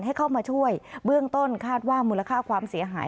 ให้เข้ามาช่วยเบื้องต้นคาดว่ามูลค่าความเสียหาย